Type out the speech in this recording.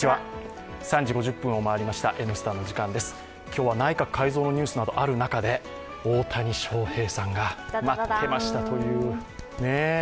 今日は内閣改造のニュースなどある中で大谷翔平さんが、待ってましたという。